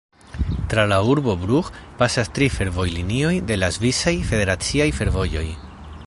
Tra la urbo Brugg pasas tri fervojlinioj de la Svisaj Federaciaj Fervojoj.